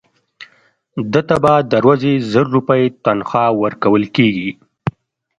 ده ته به د ورځې زر روپۍ تنخوا ورکول کېږي.